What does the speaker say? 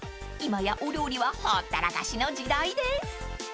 ［今やお料理はほったらかしの時代です］